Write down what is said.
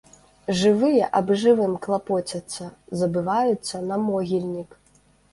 Жывыя аб жывым клапоцяцца, забываюцца на могільнік.